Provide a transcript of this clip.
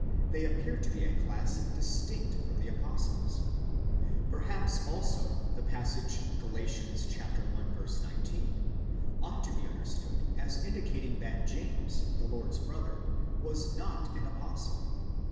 5) they appear to be a class dis tinct from the apostles. Perhaps, also, the passage Gal. i. 19 ought to be understood as indicating that James, the Lord's brother, was not an apostle.!